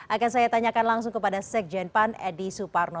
akan saya tanyakan langsung kepada sekjen pan edi suparno